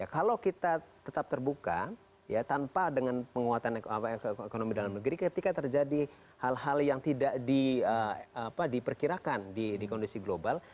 kalau kita tetap terbuka ya tanpa dengan penguatan ekonomi dalam negeri ketika terjadi hal hal yang tidak diperkirakan di kondisi global